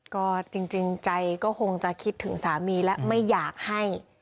ก็จริงใจก็คงจะคิดถึงสามีและไม่อยากให้